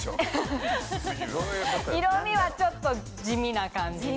色みはちょっと地味な感じの。